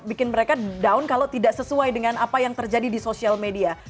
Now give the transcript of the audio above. bikin mereka down kalau tidak sesuai dengan apa yang terjadi di sosial media